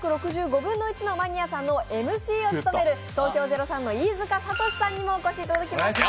１／３６５のマニアさん」のＭＣを務める東京０３の飯塚悟志さんにもお越しいただきました。